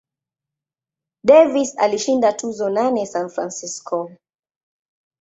Davis alishinda tuzo nane San Francisco.